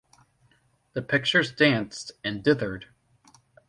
The pictures danced and dithered.